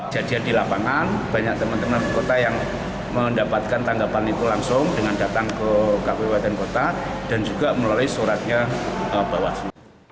jadinya di lapangan banyak teman teman di kota yang mendapatkan tanggapan itu langsung dengan datang ke kpu jawa tengah dan juga melalui suratnya bawaslu